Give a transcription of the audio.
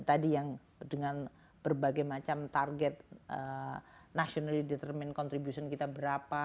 tadi yang dengan berbagai macam target nationally determind contribution kita berapa